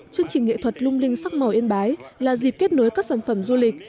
chương trình nghệ thuật lung linh sắc màu yên bái là dịp kết nối các sản phẩm du lịch